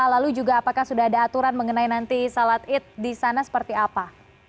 lalu juga apakah sudah ada aturan mengenai nanti salat id di sana seperti apa